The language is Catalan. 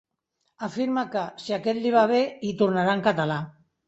Afirma que, si aquest li va bé, hi tornarà en català.